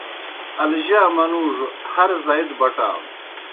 الجا منُوڙوْ ہر زائی دہ بٹانوْ۔